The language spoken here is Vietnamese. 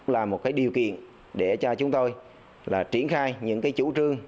là một cái điều kiện để cho chúng tôi triển khai những cái chủ trương